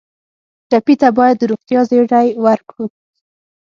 ټپي ته باید د روغتیا زېری ورکړو.